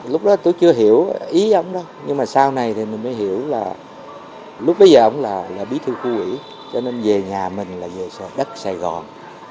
lúc đó tôi chưa hiểu ý lắm đó nhưng mà sau này thì mình mới hiểu là lúc bây giờ ông là bí thư khu quỹ cho nên về nhà mình là về đất sài gòn